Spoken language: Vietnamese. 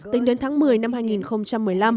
tính đến tháng một mươi năm hai nghìn một mươi năm